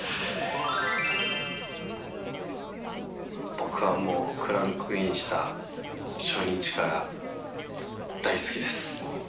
僕はもう、クランクインした初日から、大好きです。